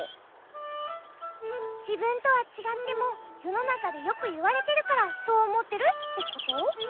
じぶんとはちがってもよのなかでよくいわれてるからそうおもってるってこと？